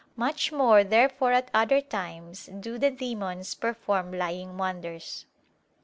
Much more therefore at other times do the demons perform lying wonders.